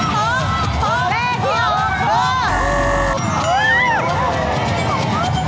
ถูกไปแล้ว๒ตำแหน่ง